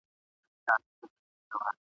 په لښکر د مریدانو کي روان وو ..